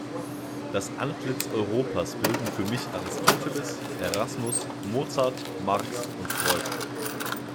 Das Antlitz Europas bilden für mich Aristoteles, Erasmus, Mozart, Marx und Freud.